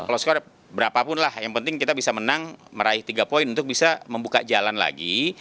kalau skor berapapun lah yang penting kita bisa menang meraih tiga poin untuk bisa membuka jalan lagi